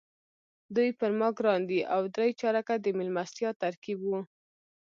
دوی پر ما ګران دي او درې چارکه د میلمستیا ترکیب وو.